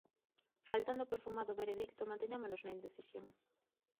Faltando o perfumado veredicto, manteñámonos na indecisión.